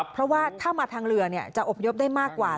เพราะว่าถ้ามาทางเรือจะอบพยพได้มากกว่า